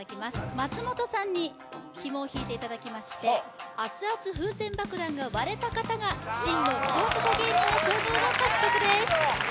松本さんにひもを引いていただきまして熱々風船爆弾が割れた方が真の福男芸人の称号を獲得です